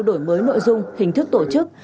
đổi mới nội dung hình thức tổ chức